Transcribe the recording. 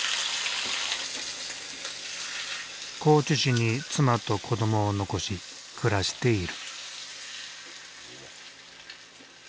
高知市に妻と子どもを残し暮らしている。